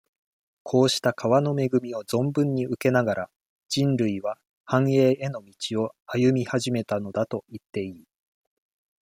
こうした川の恵みを存分に受けながら、人類は、繁栄への道を、歩み始めたのだといっていい。